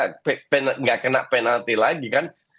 kita gak kena penalti lagi kan